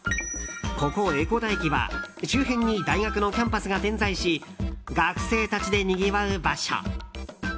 ここ江古田駅は周辺に大学のキャンパスが点在し学生たちでにぎわう場所。